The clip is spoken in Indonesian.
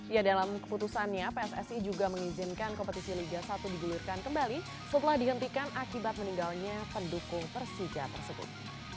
ya dalam keputusannya pssi juga mengizinkan kompetisi liga satu digulirkan kembali setelah dihentikan akibat meninggalnya pendukung persija tersebut